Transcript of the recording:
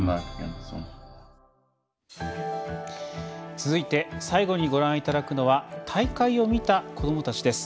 続いて最後にご覧いただくのは大会を見た子どもたちです。